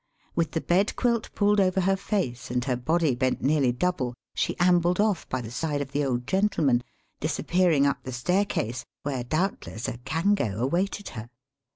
With the bed quilt pulled over her face and her body bent nearly double, she ambled off by the side of the old gentleman, disappear ing up the staircase, where doubtless a kango awaited her.